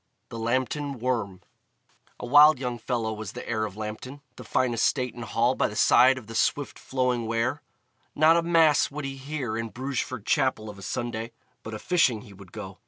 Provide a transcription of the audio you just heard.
The Lambton Worm A wild young fellow was the heir of Lambton, the fine estate and hall by the side of the swift flowing Wear. Not a Mass would he hear in Brugeford Chapel of a Sunday, but a fishing he would go.